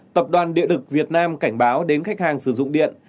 tập đoàn điện lực việt nam cảnh báo đến khách hàng sử dụng điện